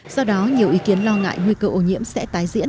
do đó nhiều ý kiến lo ngại nguy cơ ô nhiễm sẽ tái diễn